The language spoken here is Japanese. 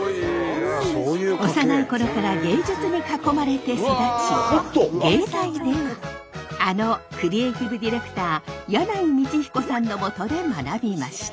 幼い頃から芸術に囲まれて育ち芸大ではあのクリエイティブ・ディレクター箭内道彦さんのもとで学びました。